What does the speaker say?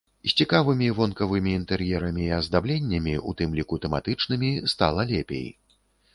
З цікавымі вонкавымі інтэр'ерамі і аздабленнямі, у тым ліку тэматычнымі, стала лепей.